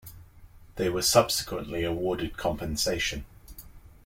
They were subsequently awarded compensation.